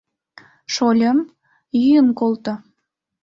— Шольым, йӱын колто.